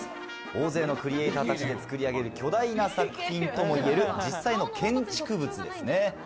大勢のクリエイターたちで作り上げる、巨大な作品ともいえる、実際の建築物ですね。